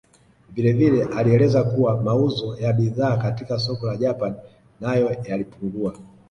Vilevile alieleza kuwa mauzo ya bidhaa katika soko la Japan nayo yalipungua